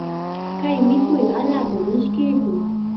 Kay mikuyqa allaapam mishkiykun.